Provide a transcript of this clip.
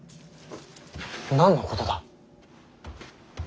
何のことだ。